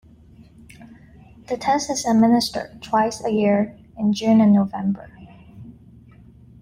The test is administered twice a year in June and November.